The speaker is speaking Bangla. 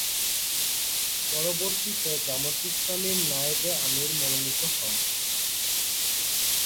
পরবর্তীতে জামায়াতে ইসলামীর নায়েবে আমির মনোনীত হন।